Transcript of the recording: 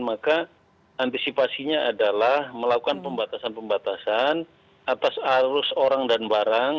maka antisipasinya adalah melakukan pembatasan pembatasan atas arus orang dan barang